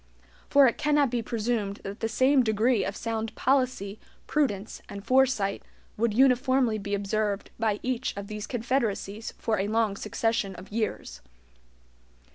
For it cannot be presumed that the same degree of sound policy, prudence, and foresight would uniformly be observed by each of these confederacies for a long succession of years.